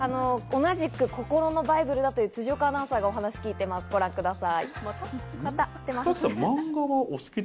同じく心のバイブルだという辻岡アナウンサーが話を聞いています、ご覧ください。